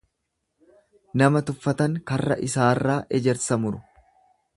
Nama tuffatan karra isaarraa ejersa muru.